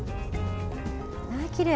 きれい。